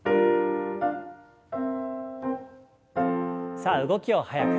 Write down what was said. さあ動きを速く。